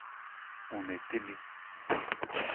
on est aimé.